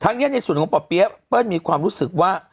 นี้ในส่วนของป่อเปี๊ยะเปิ้ลมีความรู้สึกว่า